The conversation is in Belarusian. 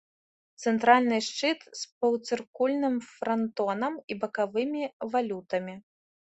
Цэнтральны шчыт з паўцыркульным франтонам і бакавымі валютамі.